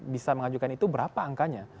bisa mengajukan itu berapa angkanya